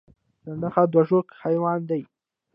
چنډخه دوه ژواکه حیوان دی